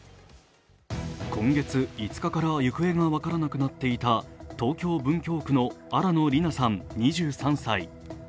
今月５日から行方が分からなくなっていた東京・文京区の新野りなさん２３歳。